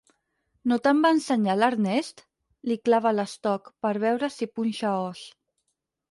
No te'n va ensenyar, l'Ernest? —li clava l'estoc, per veure si punxa os.